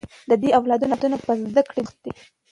د ده اولادونه په زده کړې بوخت دي